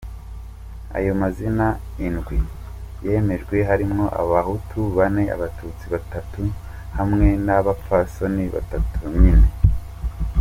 Ayo mazina indwi yemejwe harimwo abahutu bane, abatutsi batatu hamwe n'abapfasoni batatu nyene.